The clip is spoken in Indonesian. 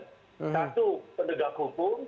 satu pendegak hukum